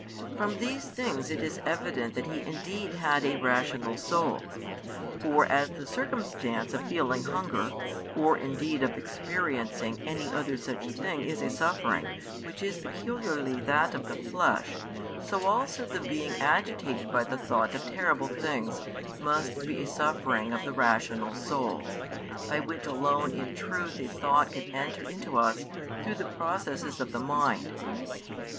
From these things it is evident that He indeed had a rational soul. For as the circumstance of feeling hunger or indeed of experiencing any other such thing is a suffering which is peculiarly that of the flesh, so also the being agitated by the thought of terrible things must be a suffering of the rational soul, by which alone in truth a thought can enter into us through the processes of the mind.